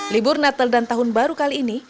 libur natal dan tahun baru kali ini